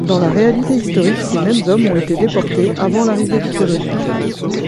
Dans la réalité historique, ces mêmes hommes ont été déportés avant l'arrivée du colonel.